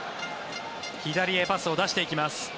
左へパスを出していきます。